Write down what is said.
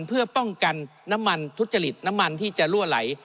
เพื่อป้องกันน้ำมันทุจริตน้ำมันที่จะรั่วไหล